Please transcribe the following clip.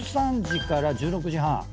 １３時から１６時半。